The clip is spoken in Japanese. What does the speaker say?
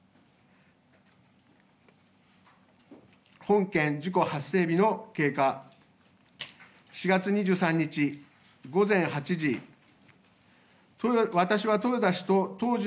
本件事故発生日の経過、４月２３日午前８時。